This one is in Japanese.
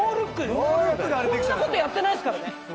こんなことやってないっすからたかやんは。